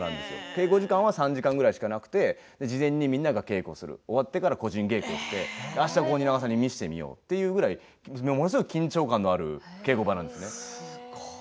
稽古時間は３時間くらいしかなく事前にみんなが稽古をすると終わってから個人稽古をして、あした蜷川さんに見てもらおうというものすごい緊張感のある稽古場なんです。